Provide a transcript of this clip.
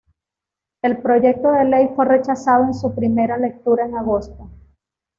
El proyecto de ley fue rechazado en su primera lectura en agosto.